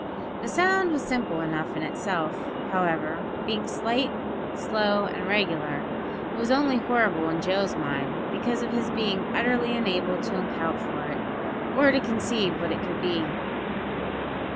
The sound was simple enough in itself, however; being slight, slow, and regular, and was only horrible in Joe's mind, because of his being utterly unable to account for it, or to conceive what it could be.